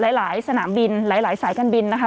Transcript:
หลายสนามบินหลายสายการบินนะคะ